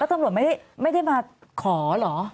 แล้วตำรวจไม่ได้มาขอหรอ